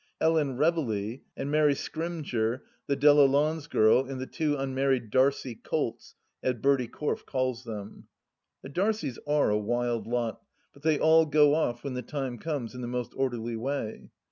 Ellen Reveley and Mary Scrymgeour, the De la Londe's girl, and the two unmarried Darcie colts, as Bertie Corfe calls them. The Darcies are a wild lot, but they all go off when the time comes in the most orderly way.